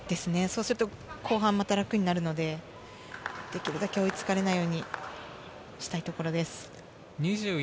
そうすると後半、また楽になるので、できるだけ追いつかれないようにしたいところです。